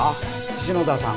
篠田さん。